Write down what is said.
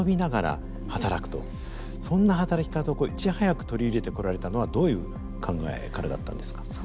そんな働き方をいち早く取り入れてこられたのはどういう考えからだったんですか。